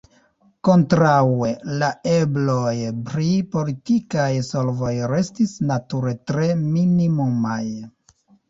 Kontraŭe, la ebloj pri politikaj solvoj restis, nature, tre minimumaj.